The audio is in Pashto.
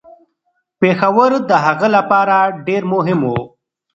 پېښور د هغه لپاره ډیر مهم و.